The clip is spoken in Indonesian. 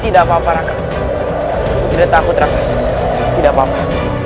tidak apa apa raka aku tidak takut raka tidak apa apa